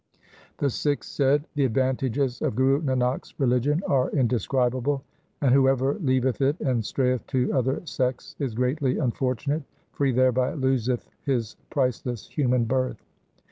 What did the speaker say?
2 The Sikhs said, ' The advantages of Guru Nanak's religion are indescribable, and whoever leaveth it and strayeth to other sects, is greatly unfortunate, for he thereby loseth his priceless human birth.'